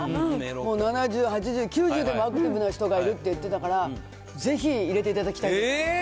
もう７０、８０、９０でもアクティブな人がいるって言ってたから、ぜひ入れていたえー！